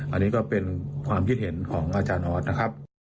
อันนี้ก็เป็นความคิดเห็นของอาจารย์ออสนะครับ